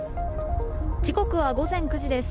時刻は午前９時です。